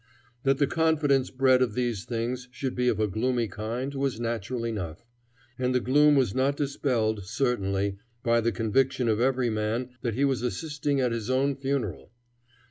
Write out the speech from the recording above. That the confidence bred of these things should be of a gloomy kind was natural enough, and the gloom was not dispelled, certainly, by the conviction of every man that he was assisting at his own funeral.